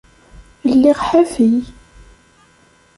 Lliɣ ḥafi.